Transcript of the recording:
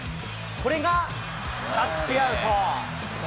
これがタッチアウト。